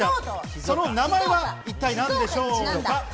その名前は一体、何でしょうか？